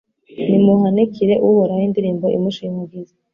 Nimuhanikire Uhoraho indirimbo imushimagiza